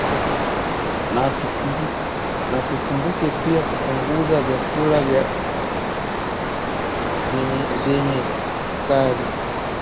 na tukumbuke pia kupunguza vyakula vyeye sukari